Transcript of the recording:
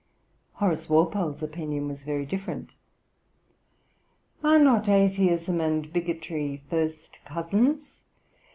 Horace Walpole's opinion was very different. 'Are not atheism and bigotry first cousins?